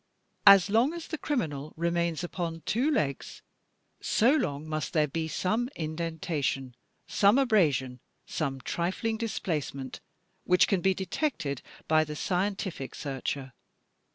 As long as the criminal remains upon two legs so long must there be some indentation, some abrasion, some trifling displacement which can be detected by the scientific searcher.